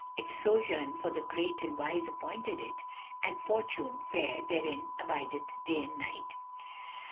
Its sojourn for the great and wise appointed it, * And Fortune fair therein abideth day and night."